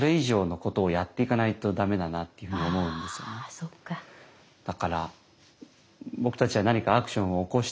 そっか。